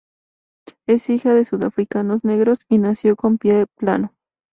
Es hija de sudafricanos negros y nació con pie plano.